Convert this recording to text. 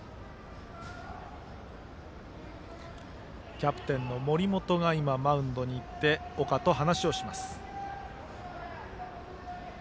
キャプテンの森本がマウンドに行って岡と話をしました。